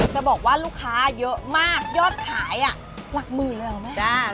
จะบอกว่าลูกค้าเยอะมากยอดขายหลักหมื่นเลยเหรอแม่